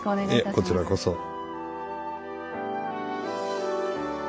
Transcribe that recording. いえこちらこそ。